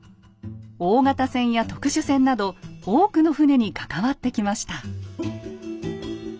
大型船や特殊船など多くの船に関わってきました。